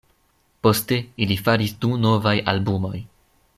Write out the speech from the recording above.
Poste ili faris du novaj albumoj.